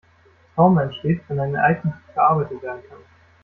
Trauma entsteht, wenn ein Ereignis nicht verarbeitet werden kann.